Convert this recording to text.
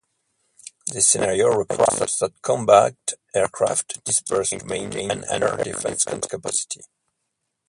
This scenario required that combat aircraft disperse to maintain an air defence capacity.